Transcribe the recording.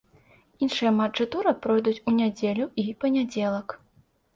Іншыя матчы тура пройдуць у нядзелю і панядзелак.